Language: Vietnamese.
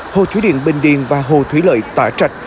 hồ chứa điện bình điền và hồ thủy lợi tả trạch